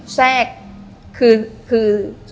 แทรกคือ